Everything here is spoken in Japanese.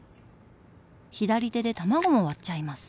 左手で卵も割っちゃいます！